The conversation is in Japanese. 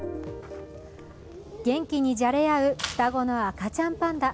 元気にじゃれ合う双子の赤ちゃんパンダ。